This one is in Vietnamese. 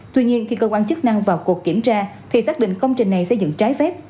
tuy nhiên khi cơ quan chức năng vào cuộc kiểm tra thì xác định công trình này xây dựng trái phép